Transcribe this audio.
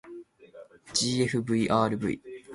ｇｆｖｒｖ